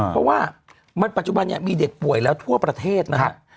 เพราะว่าปัจจุบันนี้มีเด็กป่วยแล้วทั่วประเทศนะฮะ